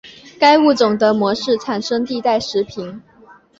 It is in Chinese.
该物种的模式产地在石屏。